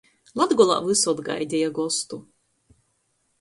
Latgolā vysod gaideja gostu.